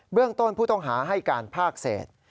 เรื่องต้นผู้ต้องหาให้การภาคเศษ